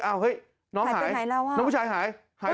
อ้าวเฮ่ยน้องหายน้องผู้ชายหายหรือเปล่าหายไปไหนแล้ว